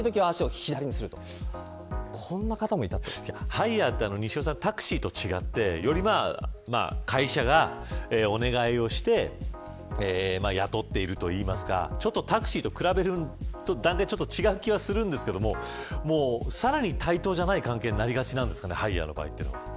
ハイヤーって西尾さん、タクシーと違ってより会社がお願いをして雇っているといいますかちょっとタクシーと比べると違う気はしますがさらに対等じゃない関係になりがちなんですかね。